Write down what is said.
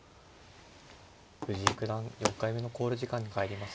藤井九段４回目の考慮時間に入りました。